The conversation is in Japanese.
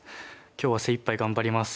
今日は精いっぱい頑張ります。